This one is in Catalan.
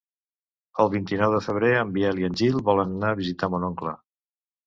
El vint-i-nou de febrer en Biel i en Gil volen anar a visitar mon oncle.